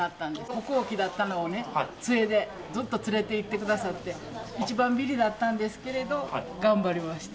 歩行器だったのをね、つえでずっと連れていってくださって、一番ビリだったんですけど、頑張りました。